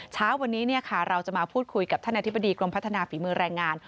เช้าวันนี้เราจะมาพูดคุยกับท่านอธิบดีกรมพัฒนาฝีมือแรงงาน